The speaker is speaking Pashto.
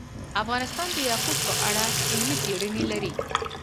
افغانستان د یاقوت په اړه علمي څېړنې لري.